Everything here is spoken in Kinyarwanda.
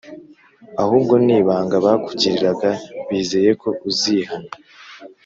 ahubwo ni ibanga bakugiriraga bizeye ko uzihana